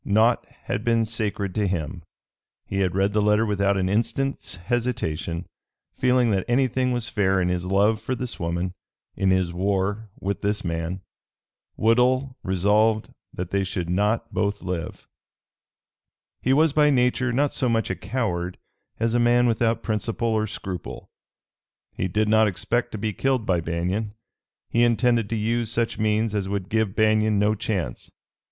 Naught had been sacred to him. He had read the letter without an instant's hesitation, feeling that anything was fair in his love for this woman, in his war with this man. Woodhull resolved that they should not both live. He was by nature not so much a coward as a man without principle or scruple. He did not expect to be killed by Banion. He intended to use such means as would give Banion no chance.